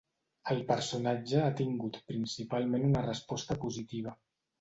El personatge a tingut principalment una resposta positiva.